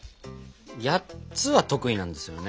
８つは得意なんですよね。